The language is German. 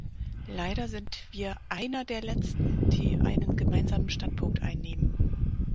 Leider sind wir einer der letzten, die einen gemeinsamen Standpunkt einnehmen.